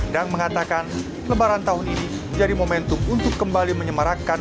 dan mengatakan lebaran tahun ini menjadi momentum untuk kembali menyemarakkan